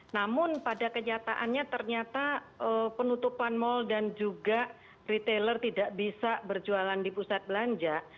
namun pada kenyataannya ternyata penutupan mal dan juga retailer tidak bisa berjualan di pusat belanja